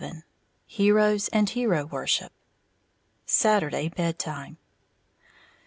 VII HEROES AND HERO WORSHIP _Saturday Bed time.